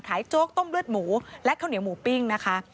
โจ๊กต้มเลือดหมูและข้าวเหนียวหมูปิ้งนะคะ